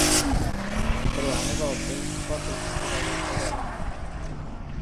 ஒரு அணிவகுப்பில் ஸ்காட்டிஷ் உடையில் ஒரு ஆண்